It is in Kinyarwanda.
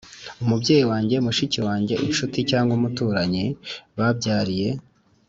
Umubyeyi wanjye mushiki wanjye incuti cg umuturanyi yabyariye